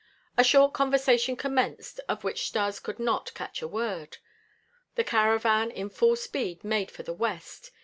A short conversation commenced, of which Stas could not catch a word. The caravan in full speed made for the west.